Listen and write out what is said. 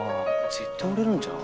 絶対売れるんちゃう？